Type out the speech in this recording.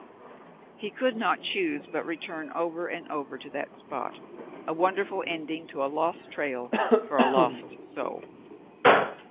He could not choose but return over and over to that spot. A wonderful ending to a lost trail for a lost soul.